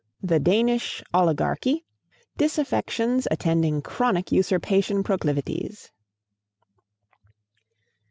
THE DANISH OLIGARCHY: DISAFFECTIONS ATTENDING CHRONIC USURPATION PROCLIVITIES.